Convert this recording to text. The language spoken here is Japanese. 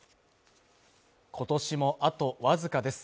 今年もあとわずかです